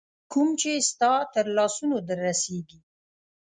کوم چي ستا تر لاسونو در رسیږي